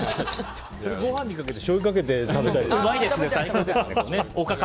それ、ご飯にかけてしょうゆかけて食べたいですね。